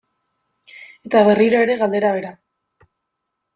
Eta berriro ere galdera bera.